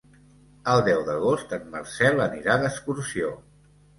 El deu d'agost en Marcel anirà d'excursió.